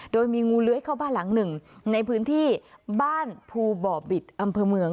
โดยมีงูเลื้อยเข้าบ้านหลังหนึ่งในพื้นที่บ้านภูบ่อบิตอำเภอเมือง